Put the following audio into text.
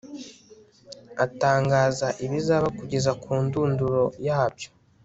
atangaza ibizaba kugeza ku ndunduro yabyo